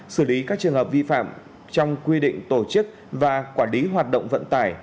xử lý các trường hợp vi phạm trong quy định tổ chức và quản lý hoạt động vận tải